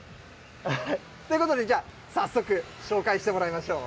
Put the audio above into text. ということで、じゃあ、早速紹介してもらいましょう。